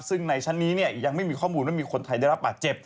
ซึ่งในชั้นนี้ยังไม่มีข้อมูลว่ามีคนไทยได้รับบาดเจ็บ